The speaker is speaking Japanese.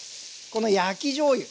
この焼きじょうゆ